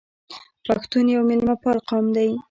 پښتون یو میلمه پال قوم دی.